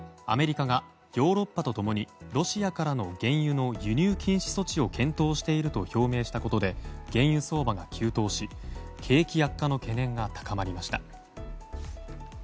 アメリカがヨーロッパと共にロシアからの原油の輸入禁止措置を検討していると表明したことで原油相場が急騰し景気悪化の懸念が高まりました。